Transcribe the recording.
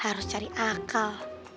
harus cari akal